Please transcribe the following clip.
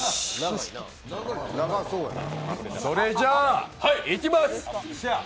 それじゃあ、いきます！